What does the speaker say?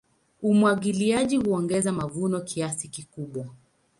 Umwagiliaji huongeza mavuno kiasi kikubwa.